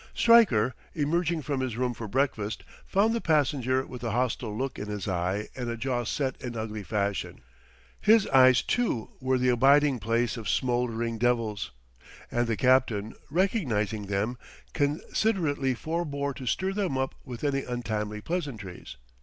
Stryker, emerging from his room for breakfast, found the passenger with a hostile look in his eye and a jaw set in ugly fashion. His eyes, too, were the abiding place of smoldering devils; and the captain, recognizing them, considerately forbore to stir them up with any untimely pleasantries.